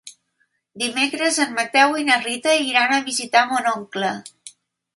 Dimecres en Mateu i na Rita iran a visitar mon oncle.